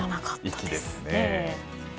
粋ですね。